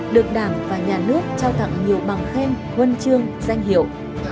được đảng và nhà nước trao tặng nhiều bằng khen huân chương danh hiệu